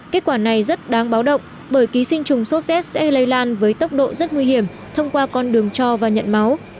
kết quả này rất đáng báo động bởi ký sinh trùng sốt xét sẽ lây lan với tốc độ rất nguy hiểm thông qua con đường cho và nhận máu